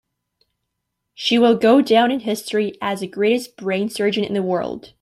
She will go down in history as the greatest brain surgeon in the world.